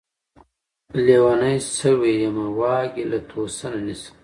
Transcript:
لېونے شوے يمه واګې له توسنه نيسم